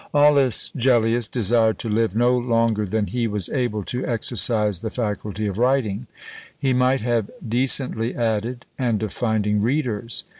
Aulus Gellius desired to live no longer than he was able to exercise the faculty of writing; he might have decently added and of finding readers!